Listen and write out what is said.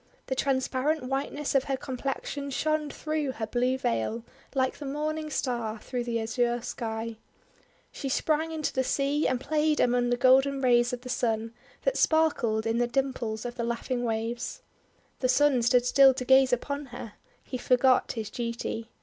The transparent whiteness of her complexion shone through her blue veil like the Morning Star through the azure Sky She sprang into the sea, and played among the golden rays of the Sun, that sparkled in the dimples of the laughing waves. The Sun stood still to gaze upon her. He forgot his duty.